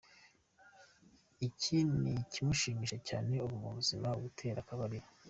Ni iki kigushimisha cyane mu buzima bwo gutera akabariro?.